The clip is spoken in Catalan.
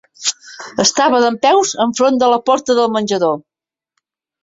Estava dempeus enfront de la porta del menjador.